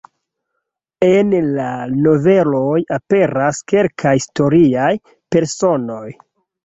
En la noveloj aperas kelkaj historiaj personoj.